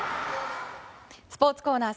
スポーツコーナー